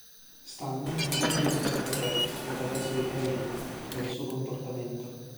Stan è molto irritato da Jeff, il ragazzo di Hayley, per il suo comportamento.